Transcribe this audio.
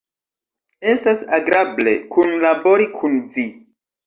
Estas agrable kunlabori kun vi.